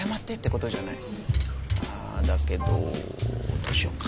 あだけどどうしよっか？